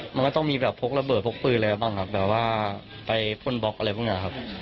มันก็ต้องมีแบบพกระเบิดพกปืนอะไรบ้างครับแบบว่าไปพ่นบล็อกอะไรพวกนี้ครับ